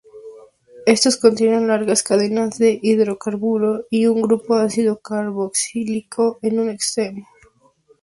Estos contienen largas cadenas de hidrocarburo y un grupo ácido carboxílico en un extremo.